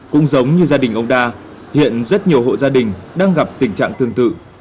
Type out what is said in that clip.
cũng giống như gia đình ông đa hiện rất nhiều hộ gia đình đang gặp tình trạng tương tự